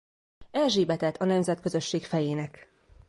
Erzsébetet a Nemzetközösség fejének.